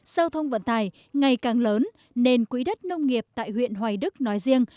giao thông vận tài ngày càng lớn nên quỹ đất nông nghiệp tại huyện hoài đức nói riêng